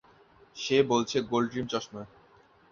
সে বলছে gold rim চশমা।